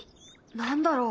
何だろう？